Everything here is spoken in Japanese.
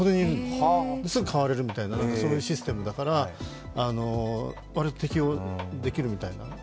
すぐ代われるみたいなシステムだから、割と適用できるみたいな。